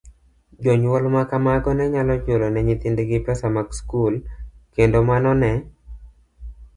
Jonyuol ma kamago ne nyalo chulo ne nyithindgi pesa mag skul, kendo mano ne